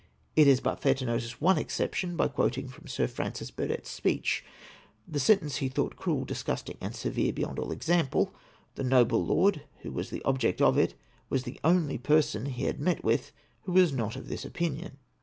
It is but fair to notice one excej^tion, by quoting from Sir Francis Burdett's speech :—" The sentence he thought cruel, disgusting, and severe beyond all example. The noble Lord who was the object of it was the only person he had met with who was not of this opinion.